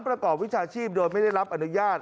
ประกอบวิชาชีพโดยไม่ได้รับอนุญาต